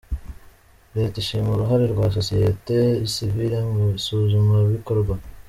Leta ishima uruhare rwa Sosiyete Sivile mu isuzumabikorwa